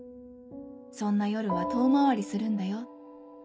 そんな夜は遠回りするんだよ。